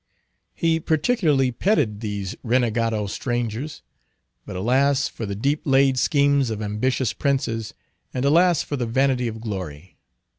He particularly petted these renegado strangers. But alas for the deep laid schemes of ambitious princes, and alas for the vanity of glory.